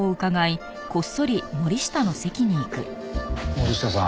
森下さん。